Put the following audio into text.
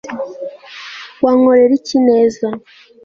wankorera iki neza